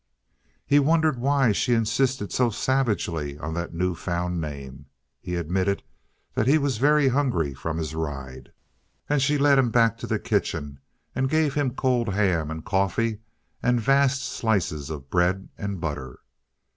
He wondered why she insisted so savagely on that newfound name? He admitted that he was very hungry from his ride, and she led him back to the kitchen and gave him cold ham and coffee and vast slices of bread and butter.